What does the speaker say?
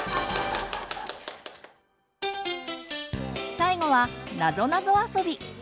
最後はなぞなぞあそび。